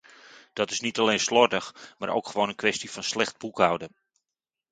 Dat is niet alleen slordig, maar ook gewoon een kwestie van slecht boekhouden.